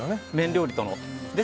料理との。